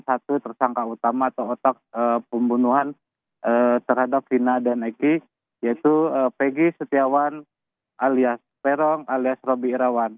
satu tersangka utama atau otak pembunuhan terhadap rina dan eki yaitu pegi setiawan alias peron alias roby irawan